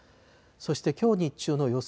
そしてきょう日中の予想